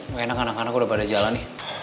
wah enak anak anak udah pada jalan nih